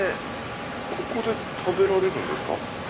ここで食べられるんですか？